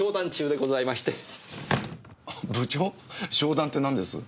商談ってなんです？